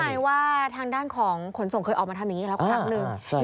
ใช่ว่าทางด้านของขนส่งเคยออกมาทำอย่างนี้แล้วครั้งหนึ่ง